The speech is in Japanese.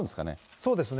そうですね。